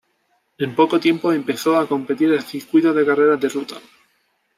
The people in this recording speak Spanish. En poco tiempo, empezó a competir en circuitos de carreras de ruta.